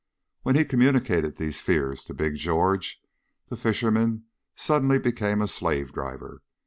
When he communicated these fears to Big George, the fisherman suddenly became a slave driver.